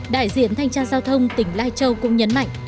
đại diện thanh tra giao thông tỉnh lai châu cũng nhấn mạnh